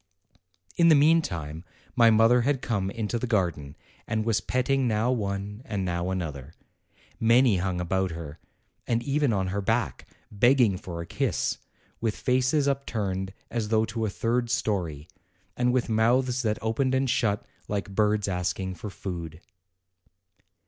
In the meantime, my mother had come into the garden and was petting now one and now another. Many hung about her, and even on her back, begging for a kiss, with faces upturned as though to a third story, and with mouths that opened and shut like birds asking for food.